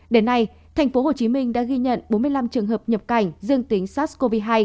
đến nay tp hcm đã ghi nhận bốn mươi năm trường hợp nhập cảnh dương tính sars cov hai